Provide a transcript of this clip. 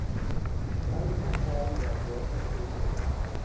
Beide Parteien waren sehr verspätet.